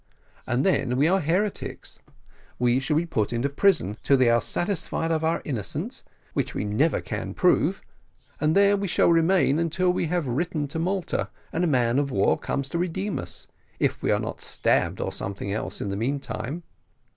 And then we are heretics we shall be put in prison till they are satisfied of our innocence, which we never can prove, and there we shall remain until we have written to Malta, and a man of war comes to redeem us, if we are not stabbed, or something else in the meantime."